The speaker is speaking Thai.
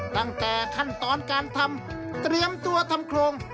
ตั้งแต่ขั้นตอนการทำเตรียมตัวทำโครง